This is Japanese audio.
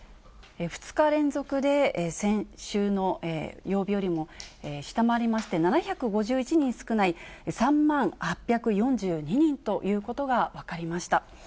２日連続で先週の曜日よりも下回りまして、７５１人少ない３万８４２人ということが分かりました。